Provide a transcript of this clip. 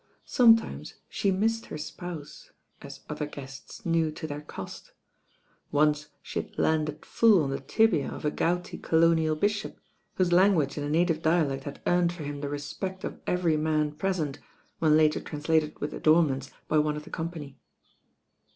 Sometimes she missed her spouse, as other guests knew to their cost. Once she had landed full on the tibia of a gouty colonial bishop, whose language in a native dialect had earned for him the respect of every man pres ent, when later translated with adornments by one of the company.